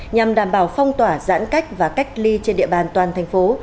nhằm đảm bảo phong tỏa giãn cách và cách ly trên địa bàn toàn thành phố